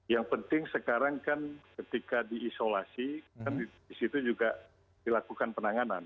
yang penting sekarang kan ketika diisolasi kan di situ juga dilakukan penanganan